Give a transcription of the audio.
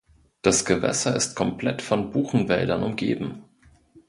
Das Gewässer ist komplett von Buchenwäldern umgeben.